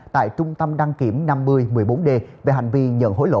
tại trung tâm đăng kiểm năm mươi một mươi bốn d về hành vi nhận hối lộ